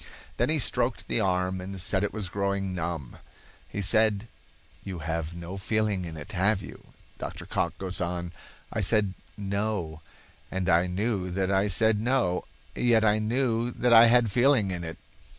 Then he stroked the arm and said it was growing numb. He said: "You have no feeling in it, have you?" Dr. Cocke goes on: "I said 'No,' and I knew that I said 'No,' yet I knew that I had a feeling in it."